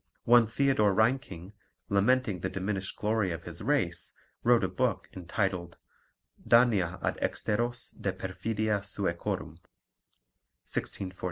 One Theodore Reinking, lamenting the diminished glory of his race, wrote a book entitled Dania ad exteros de perfidia Suecorum (1644).